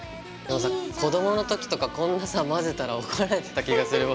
子供の時とかこんなさ混ぜたら怒られてた気がする僕。